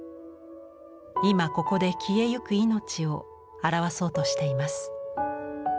今ここで消えゆく命を表そうとしています。